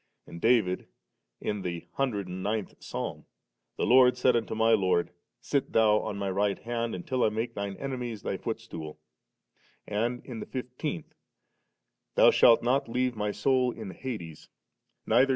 And David in the hundred and ninth Psalm, 'The Lord said unto My Lord, Sit Thou on My right hand, till I make Thine enemies Thy footstool*;' and in the fifteenth, *Thou shalt not leave my soul in hades, neither < Fk ac.